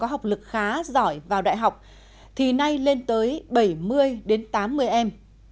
có học lực khá giỏi vào đại học thì nay lên tới bảy mươi đến tám mươi em